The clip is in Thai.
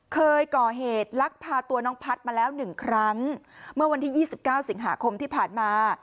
เคยก่อเหตุลักพาตัวน้องพัฒน์มาแล้วหนึ่งครั้งเมื่อวันที่๒๙สิงหาคมที่ผ่านมา